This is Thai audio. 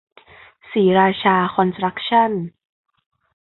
ศรีราชาคอนสตรัคชั่น